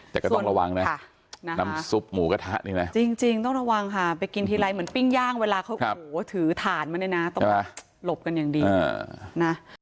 แต่ก็ต้องระวังนะน้ำซุปหมูกระทะนี่นะจริงต้องระวังค่ะไปกินทีไรเหมือนปิ้งย่างเวลาเขาโอ้โหถือถ่านมาเนี่ยนะต้องหลบกันอย่างดีนะ